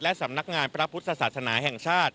สำนักงานพระพุทธศาสนาแห่งชาติ